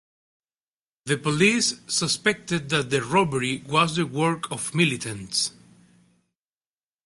The police suspected that the robbery was the work of militants.